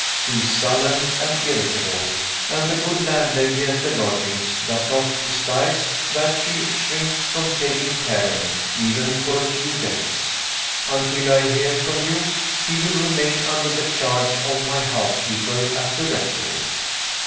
He is sullen and irritable and the good landlady at the lodgings does not disguise that she shrinks from taking care of him, even for a few days. Until I hear from you, he will remain under the charge of my housekeeper at the rectory.